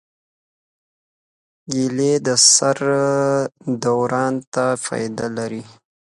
کېله د سر دوران ته فایده لري.